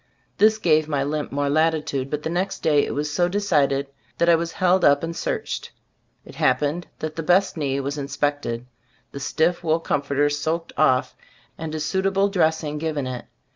This gave my limp more latitude, but the next day it was so decided, that I was held up and searched. It happened that the best knee was inspected; the stiff wool comforter soaked off, and a suitable dressing given it.